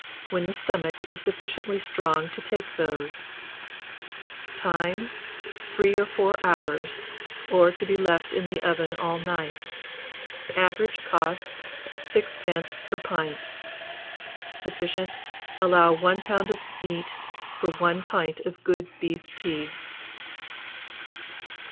when the stomach is sufficiently strong to take those. Time. 3 or 4 hours, or to be left in the oven all night. Average cost, 6d. per pint. Sufficient. Allow 1 lb. of meat for 1 pint of good beef tea.